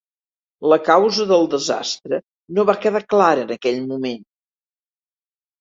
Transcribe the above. La causa del desastre no va quedar clara en aquell moment.